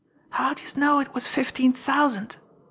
"How d'youse know it was fifteen thousand?"